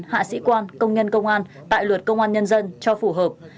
hạ sĩ quan công nhân công an tại luật công an nhân dân cho phù hợp